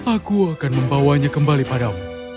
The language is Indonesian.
aku akan membawanya kembali padamu